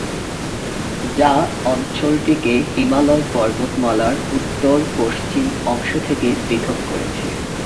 যা অঞ্চলটিকে হিমালয় পর্বতমালার উত্তর-পশ্চিম অংশ থেকে পৃথক করেছে।